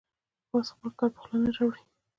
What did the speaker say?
باز خپل ښکار په خوله نه راوړي